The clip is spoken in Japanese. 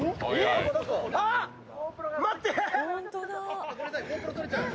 待って！